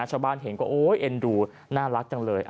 ชาวบ้านเห็นก็โอ๊ยเอ็นดูน่ารักจังเลย